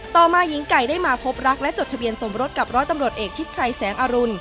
ต่อมาหญิงไก่ได้มาพบรักและจดทะเบียนสมรสกับร้อยตำรวจเอกชิดชัยแสงอรุณ